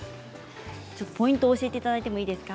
ポイントを教えていただいてもいいですか。